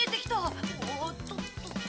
おっとっとっと。